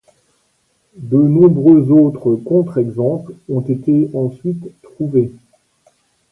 De nombreux autres contre-exemples ont été ensuite trouvés.